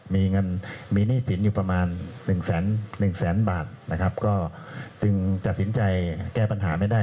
มีหนี้สินอยู่ประมาณ๑แสนบาทจึงจัดสินใจแก้ปัญหาไม่ได้